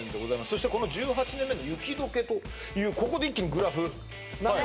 そしてこの１８年目の雪解けというここで一気にグラフ何だ？